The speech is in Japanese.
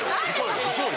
行こうよ